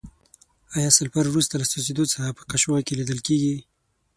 آیا سلفر وروسته له سوځیدو څخه په قاشوغه کې لیدل کیږي؟